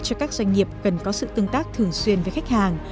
cho các doanh nghiệp cần có sự tương tác thường xuyên với khách hàng